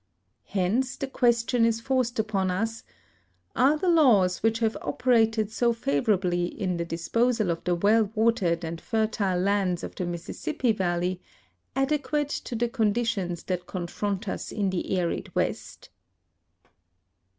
Hence the question is forced upon us, Are the laws which have operated so favorably in the disposal of the well watered and fertile lands of the Mississippi valley adequate to the conditions that confront us in the arid west